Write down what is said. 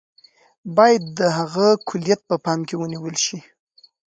باید د هغه کُلیت په پام کې ونیول شي.